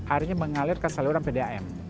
airnya mengalir ke saluran pdam